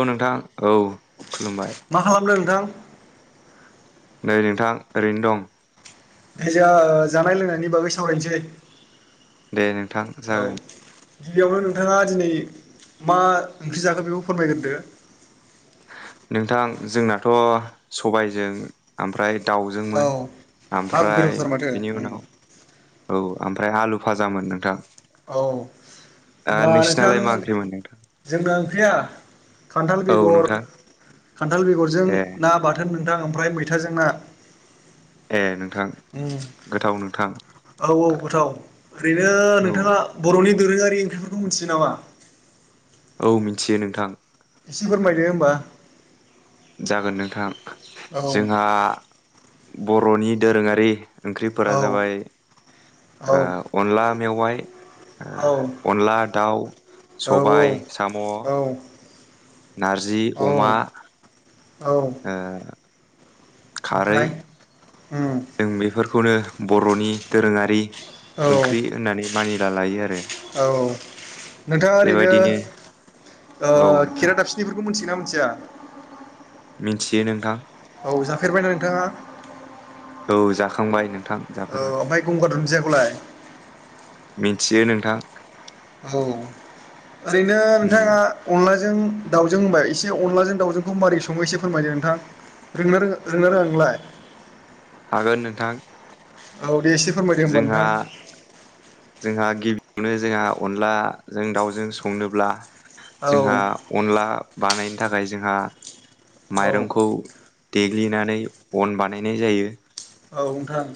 औ नोंथां औ खुलुमबाय मा खालामदों नोंथां? नै नोंथां ओरैनो दं। [unintelligible] जानाय लोंनायनि बागै सावरायसै दे नोंथां [inaudible] औ जागोन गिबियावनो नों नोंथाङा दिनै मा ओंख्रि जागोन बेखौ फोरमायग्रोदो नोंथां जोंनाथ' सबायजों ओमफ्राय औ दाउजोंमोन हाब ओमफ्राय गोथावथार माथो बेनि उम उनाव औ ओमफ्राय आलु फाजामोन नोंथां। औ ओ होनबा नोंसिनालाय नोंथां मा ओंख्रिमोन नोंथां जोंना [unintelligible] खान्थाल औ बेगर नोंथां खान्थाल बेगरजों ए ना बाथोन नोंथां ओमफ्राय मै थाजों ना। ए नों। ओं औ औ गोथाव ओरैनो औ नोंथाङा बर'नि दोरोङारि ओंख्रिफोरखौ मिनथियो नामा? औ मिथियो नोंथां। एसे फोरमायदो होमबा। जागोन नोंथां औ जोंहा बर'नि दोरोङारि ओंख्रिफोरा औ जाबाय ओ अनला मेवाइ। ओ औ औ अनला दाउ औ सबाय साम'। औ नारजि औ अमा। औ ओ। खारै ओमफ्राय? जों बेफोरखौनो बर'नि दोरोङारि औ ओंख्रि होननानै मानिना लायो आरो। नोंथाङा ओरैनो बेबायदिनो ओ औ नोंथां खेरादाफिनिफोरखौ मिथिगोना मिथिया? मिथियो नोंथां। औ जाफेरबायना नोंथाङा? औ जाखांबाय नों। औ ओमफ्राय गंगार दुनदियाखौलाय? मिथियो नोंथां। औ ओरैनो उम नोंथाङा अनला जों दावजों होनबा एसे अनलाजों दावउजोंखौ मारै सङो एसे फोरमायदो नोंथां। रोंनो रोङा रोंङोनो ना रोङा नोंलाय? हागोन नोंथां। औ देसे जोंहा जोंहा गिबि बेयावनो जोंहा अनलाजों दाउजों संनोब्ला जोंहा औ अनला बानायनो थाखाय जोंहा औ माइरंखौ देग्लिनानै अन बानायनाय जायो। औ नोंथां।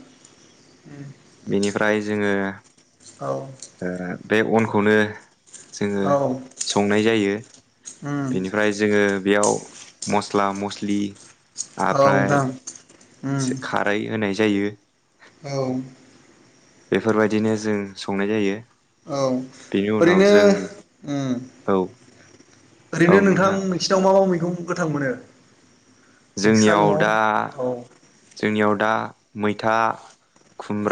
बेनिफ्राय जोङो औ। ओ बे अनखौनो जोङो औ संनाय जायो बेनिफ्राय जोङो बेयाव मस्ला मस्लि औ आफ्राय नोंथां। सो खारै होनाय जायो। औ। बेफोरबायदिनो जों संनाय जायो। औ बेनि उनाव ओरैनो जों ओं औ ओरैनो नोंथां नोंसिनाव मा मा मैगं गोथां मोनो? नोंस्रा जोंनियाव न'आव दा औ। जोंनियाव दा मैथा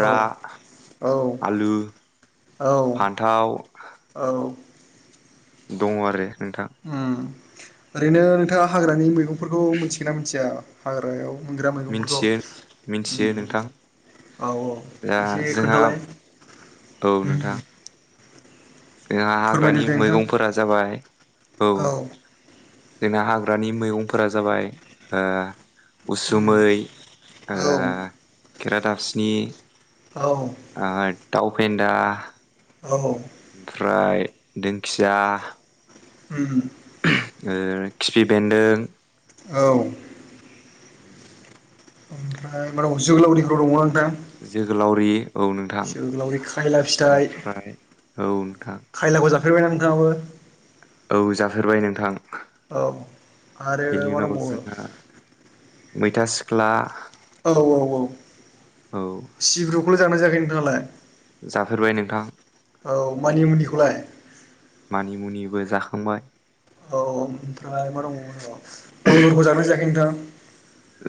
औ औ आलु फान्थाव औ औ। दङ आरो। नोंथां ओं ओरैनो नोंथाङा हाग्रानि मैगंफोरखौ मिथिगोना मिथिया हाग्रायाव मोनग्रा मैगंफोरखौ मिथियो मिथियो उम। नोंथां औ दा औ एसे जोंहा खोन्थालाय। औ उम नोंथां। जोंहा हाग्रानि फोरमायदो दे नोंथां मैगंफोरा जाबाय औ। जोंना हाग्रानि मैगंफोरा जाबाय ओ उम उसुमै ओ औ खेरादाबसिनि। औ। दाव फेन्दा। औ ओमफ्राय दिंखिया। उम। ओ खिफिबेन्दों। औ। ओमफ्राय मा दंबावो जोगोलावरिफोर दङना नों जोग्लावरि। जोग्लावरि, खायला फिथाइ ओमफ्राय औ नोंथां खायलाखौ जाफेरबायना नोंथाङाबो? औ जाफेरबाय नोंथां। ओ आरो बेनि मा उनाव दंबावो? जोंहा मैथा सिख्ला। औ औ औ औ सिब्रुखौलाय जागोनना जायाखै नोंथाङालाय? जाफेरबाय नोंथां औ मानि मुनिखौलाय ।मानिमुनि। [unintelligible] जाखांबाय। औ ओमफ्राय मा दंबावोमोन? अलदरखौ जागोना जायाखै नोंथां?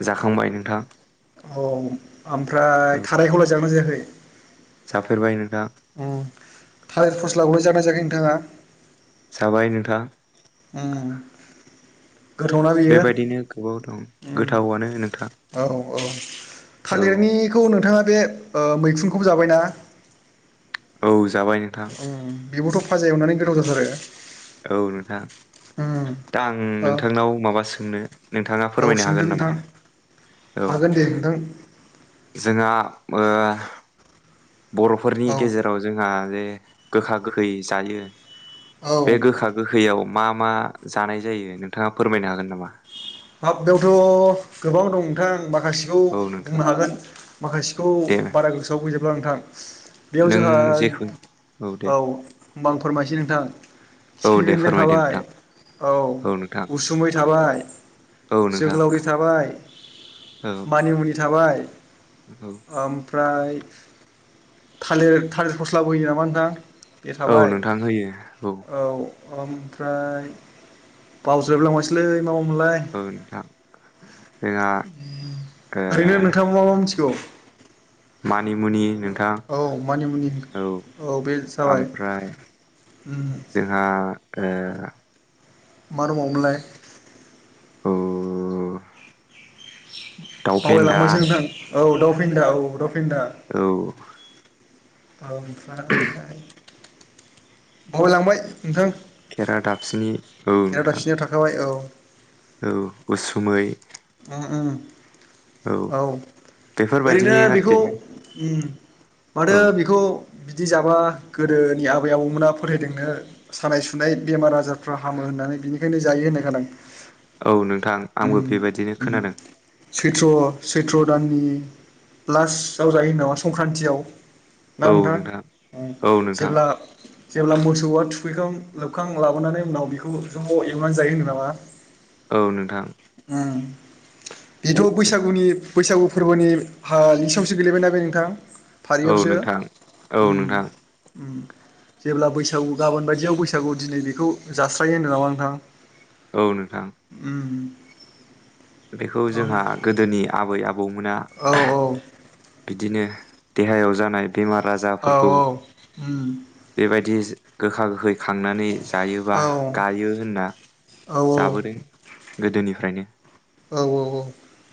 जाखांबाय नोंथां। औ औ ओमफ्राय थारायखौलाय जागोना जायाखै? [unintelligible] नोंथां। थालेर फ'स्लाखौलाय जादोंना जायाखै नोंथाङा? जाबाय नोंथां। ओ बेबायदिनो गोबां दं गोथावआनो नोंथां। ओ औ थालिरनिखौ नोंथाङा बे ओ मैखुनखौबो जाबायना? औ जाबाय नोंथां। उम बेबोथ' फाजा एवनानै गोथाव जाथारो। औ नोंथां उम दा आं औ नोंथांनाव माबा सोंनो। नोंथाङा औ फोरमायनो सोंदो हागोन नामा नोंथां औ। हागोन दे नोंथां जोंहा ओ बर'फोरनि औ गेजेराव जोंहा बे गोखा-गोखै जायो औ बे गोखा-गोखैआव मा-मा जानाय जायो नोंथाङा फोरमायनो हागोन नामा? हाब बेयावथ' गोबाव दं नोंथां [unintelligible] माखासेखौ औ नोंथां बुंनो हागोन माखासेखौ दे बारा गोसोआव गैजोबला नोंथां। बेयाव नों जोंहा जेखौ औ होमबा आं फोरमायसै नोंथां। औ खिफि दे बेन्दों फोरमायदो थाबाय नोंथां औ उसुमै थाबाय। औ जोग्लावरि नोंथां थाबाय औ औ मानिमुनि थाबाय ओम ओमफ्राय थालिर -थालिर फ'स्लाबो होयो नामा नोंथां? बे औ थाबाय नोंथां होयो औ। ओमफ्राय बावजोबलायलांबायस्लै मा- मा मोनलाय? ओइ नोंथां। जोङा ओ ओरैनो नोंथाङा मा मा मिथिगौ मानिमुनि नोंथां, औ मानिमुनि औ बे जाबाय ओमफ्राय उम जोंहा ओ मा दंबावोमोनलाय? [unintelligible] दाउ बावलाय फेन्दा लांबायसो नोंथां औ दावफेनदा औ दावफेनदा। औ बावलांबाय नोंथां खेरा दाबसिनि औ खेरा नोंथां दाफसिनिया थाखाबाय औ औ उसुमै उम औ ओरैनो बेफोरबायदिनि आरोखि बेखौ ना माथो औ बेखौ बिदि जाबा गोदोनि आबै आबौमोना फोथायदोंनो सानाय सुनाय बेमार आजार फ्रा हामो होननानै बिनिखायनो जायो होननाय खोना औ नोंथां आंबो बेबायदिनो खोनादों सैत्र' सैथ्र' दाननि लास्टाव जायो होनदोंना संक्रान्तियाव ना नोंथां औ नोंथां जेब्ला जेब्ला मोसौआ थुखैखां लोबखां लाबोनानै उनाव बेखौ ज' एवनानै जायो होनदों नामा? औ नोंथां उम बेथ' बैसागुनि बैसागु फोरबोनि हा [unintelligible] सायावसो गोलैबायना बे नोंथां औ फारियावसो नोंथां औ उम नोंथां उम जेब्ला बैसागु गाबोन बायदियाव बैसागु दिनै बेखौ जास्रायो होनदों नामा नोंथां औ नोंथां उम बेखौ जोंहा गोदोनि आबै आबौ औ औ बिदिनो देहायाव जानाय बेमार औ आजारफोरखौ उम बेबायदि गोखा गोखै खांनानै जायोबा औ गायो होनना औ जाबोदों गोदोनिफ्रायनो औ औ औ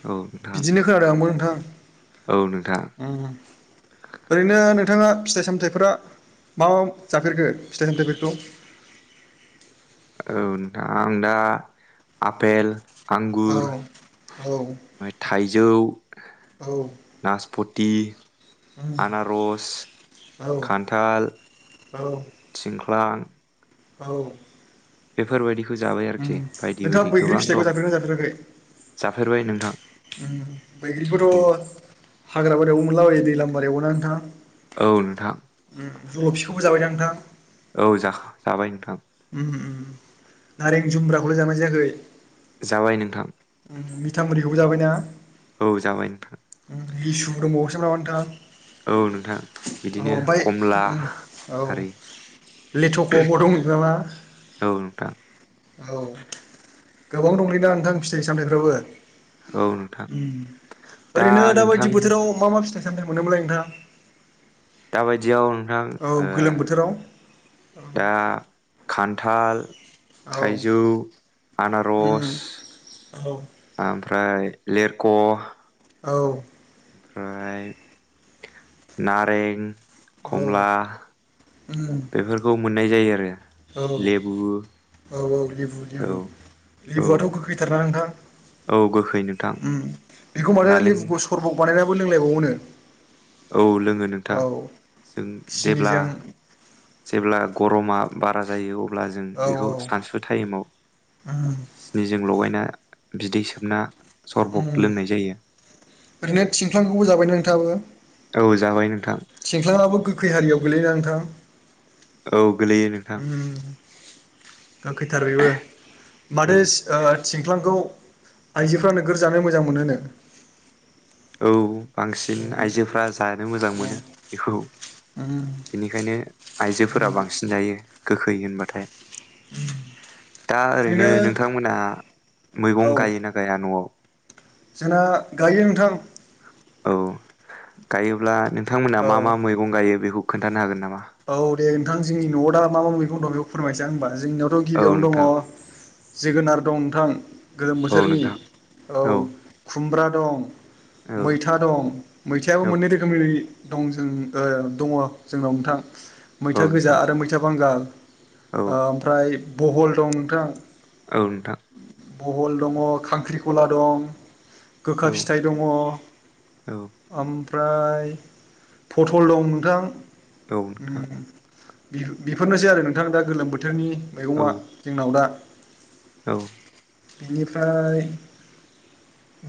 औ नोंथां बिदिनो खोनादों आंबो नोंथां औ नोंथां ओरैनो नों थाङा फिथाइ सामथाइफोरा मा मा जाफेरखो फिथाइ सामथाइफोरखौ? [inaudible] औ नोंथां आं दा आफेल आंगुर औ औ उम थाइ जौ नासपथि आनारस औ खान्थाल थिंख ख्लां औ बेफोरबायदि खौ जाबाय उम आरोखि बायदि बायदि नोंथाङा बैग्रि गोबां फिथाइखौ दं जाफेरगोना जाफेराखै जाफेरबाय नोंथां औ बैग्रिखौथ' हाग्रा बारियावबो मोनलाबायो दै [unintelligible] बारियाव ना नोंथां औ नोंथां उम जल'फिखौबो जाबायदा नोंथां औ जाख जाबाय नोंथां उम उम नारें जुमब्राखौलाय जाबायना जायाखै? जाबाय नोंथां मिथामुरिखौबो जाबायना औ जाबाय नोंथां लिसु दंबावोसोमोन ना मा नोंथां नोंथां औ बिदिनो ओमफाय खमला उम औ आरि लेथ'खबो दं होनदों नामा औ नोंथां औ गोबां दंलैदा नोंथां फिथाइ सामथाइफ्राबो औ नोंथां दा ओरैनो नोंथां दाबायदि बोथोराव मा मा फिथा [unintelligible] मोनोमोनलाय नोंथा दाबायदियाव नोंथां ओ बोथोराव दा खान्थाल औ थाइजौ आनारस उम औ ओमफ्राय लेरख' औ। ओमफ्राय नारें खमला उम बेफोरखौ मोननाय जायो आरो औ लेबु औ औ लिबु औ लिबु, औ लिबुआथ' गोखैथारना नोंथां? औ गोखै नोंथां उम बेखौ माथो नालें लेबुखौ सरबग बानायनानैबो लोंलायबावोन। औ लोङो नोंथां जों जेब्ला सिनिजों जेब्ला गरमा बारा जायो अब्ला जों औ बेखौ औ सानसु टाइमाव उम सिनिजों लगायना बिदै सोबना सरबक उम लोंनाय जायो ओरैनो थिंख्लांखौबो जाबाय नोंथाङाबो? औ जाबाय नोंथां। थिंख्लाङाबो गोखै हारियाव गोलैयोना नोंथां? औ गोलैयो नोंथां। उम गोखैथार बेबो औ माथो थिंख्लांखौ आइजोफ्रा नोगोर जानो मोजां मोनो नो। औ बांसिन आइजोफ्रा जानो मोजां मोनो बेखौ। बेनिखायनो आइजोफोरा बांसिन जायो गोखै होनबाथाय। दा ओरैनो नोंथांमोनहा औ मैगं गायोना गाया न'आव? जोंना गायो नोंथां। औ गायोब्ला नोंथांमोना औ मा मा मैगं गायो बेखौ खोन्थानो हागोन नामा? औ दे नोंथां जोंनि न'आव दा मा मा मैगं दं बेखौ फोरमायनोसै आं होनबा जोंनियावथ' औ गिबियावनो दङ' नोंथां जोगोनार दं नोंथां गोलोम औ बोथोरनि नोंथां औ खुमब्रा दं औ मैथा दं मैथायाबो औ मोननै रोखोमनि दं जों दङ' जोंनाव नोंथां औ मैथा गोजा नोंथां आरो मैथा बांगाल औ ओमफ्राय बहल दं नोंथां। औ नोंथां। बहल दङ' खांख्रिखला दं गोखा औ फिथाइ दङ' औ ओम फ्राय पटल दं नोंथां नोंथां उम बि-बिफोरनोसै आरो नोंथां दा गोलोम बोथोरनि औ मैगंआ जोंनाव दा। औ। बेनिफ्राय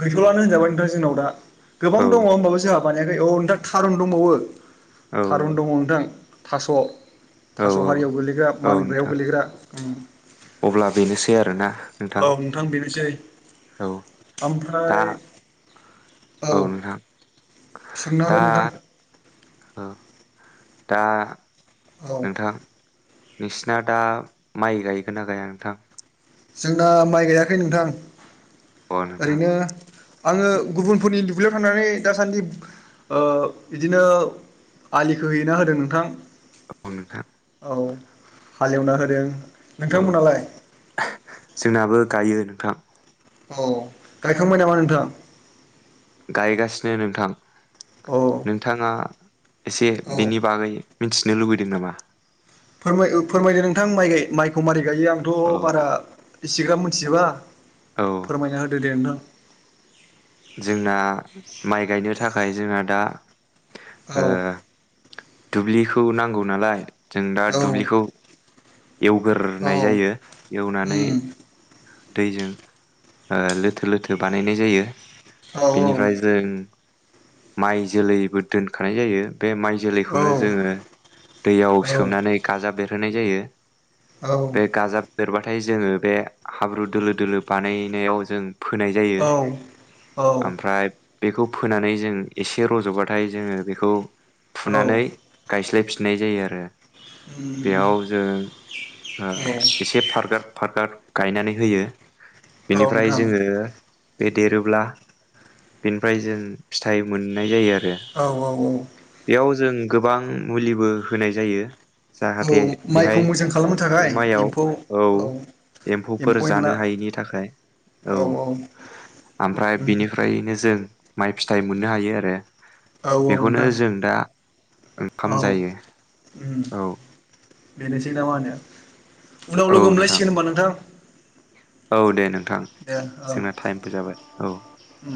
गैथ'लानो होनजाबाय नोंथां जोंनाव दा। गोबां औ दङ' होमबाबो जोंहा बानायाखै औ नोंथा थारुन दंबावो थारुन दङ' नोंथां थास' थास' औ हारियाव गोलैग्रा औ मानग्रायाव नोंथां गोलैग्रा उम। अब्ला बेनोसै आरोना औ नोंथां? बेनोसै औ दा ओमफ्राय औ नोंथां सोंनो दा हागोन नोंथां ओ दा औ नोंथां नोंसिना दा माइ गायगोना गाया नोंथां? जोंना माइ गायाखै नोंथां अ नोंथां ओरैनो आङो गुबुनफोरनि दुब्लियाव थांनानै दासान्दि ओ इदिनो आलि खोहैना होदों नोंथां। औ नोंथां औ हालेवना होदों, औ नोंथां मोनालाय? जोंनाबो गायो नोंथां। औ गायखांबाय नामा नोंथां? गायगासिनो नोंथां, औ नोंथाङा एसे औ बेनि बागै मिथिनो लुबैदों नामा? फोरमाय फोरमायदो नोंथां माइ माइखौ मारै गायो आंथ' औ बारा इसिग्राब मिथिजोबा औ फोरमायना होदो दे नोंथां। जोंना माइ गायनो थाखाय जोंना दा औ ओ दुब्लिखौ नांगौ नालाय। जों दा औ दुब्लिखौ औ एवगोरनाय जायो। एवनानै उम दैजों ओ लोथो लोथो बानायनाय जायो। औ बेनिफ्राय जों माइ जोलैबो दोनखानाय जायो। बे माइ औ जोलैखौनो जोङो दैयाव औ सोमनानै गाजाब बेरहोनाय जायो। औ बे गाजा बेरबाथाय जोङो बे हाब्रु दोलो दोलो बानायनायाव जों फोनाय जायो। औ औ ओमफ्राय बेखौ फोनानै जों एसे रज'बाथाय जोङो बेखौ औ उम फुनानै गायस्लायफिन नाय जायो आरो। बेयाव उम जों ओ औ एसे फारगार फारगार गायनानै होयो। औ बेनिफ्राय नोंथां जोङो बे देरोब्ला बेनिफ्राय जों फिथाइ मोननाय जायो। आरो औ औ औ। बेयाव जों गोबां मुलिबो होनाय जायो। औ जाहाथे माइखौ बेहाय मोजां खालामनो बे थाखाय माइयाव एम्फौ औ। एम्फौफोर एम्फौ एनला जानो हायिनि थाखाय। औ आमफ्राय बिनिफ्रायनो जों जों माइ फिथाइ मोननो हायो आरो औ औ नोंथां बेखौनो जों दा ओंखाम औ जायो औ बेनोसै ना मा होनो? उनाव लोगो मोनलायसिगोन होमबा नोंथां। औ दे नोंथां। दे जोंना टाइमबो जाबाय औ। औ